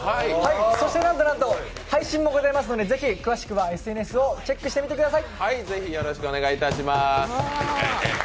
そしてなんとなんと配信もございますので、詳しくはＳＮＳをチェックしてみてください。